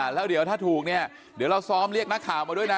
แล้วเดี๋ยวถ้าถูกเราซ้อมเรียกนักข่าวมาด้วยนะ